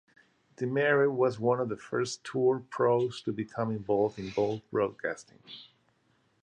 Demaret was one of the first Tour pros to become involved in golf broadcasting.